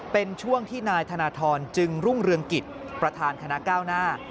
เป็นช่วงที่นายธนทรจึงรุ่งเรืองกิจประธานคณะก้าวหน้า